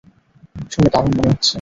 শুনে দারুণ মনে হচ্ছে।